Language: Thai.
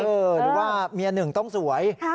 หรือว่าเมียหนึ่งต้องสวย